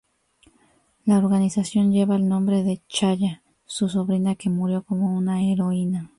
La organización lleva el nombre de Chaya, su sobrina que murió como una heroína.